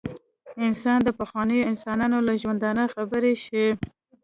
انسان د پخوانیو انسانانو له ژوندانه خبر شي.